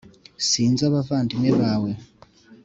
sinzi abavandimwe bawe